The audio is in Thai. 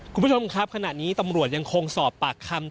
คุณผู้ชมครับขณะนี้ตำรวจยังคงสอบปากคำ